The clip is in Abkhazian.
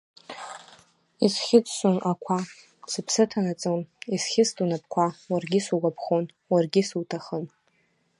Исхьыӡсон ақәа, сыԥсы ҭанаҵон, исхьыст унапқәа, уаргьы сугәаԥхон, уаргьы суҭахын…